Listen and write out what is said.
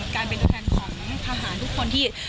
การเป็นตัวแทนของทหารทุกคนที่